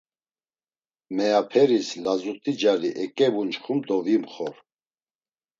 Meyaperis lazut̆i cari eǩevunçxum do vimxor.